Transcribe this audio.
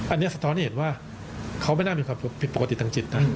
อันนี้สะท้อนให้เห็นว่าเขาไม่น่ามีความผิดปกติทางจิตนะ